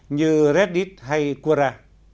như reddit hay quora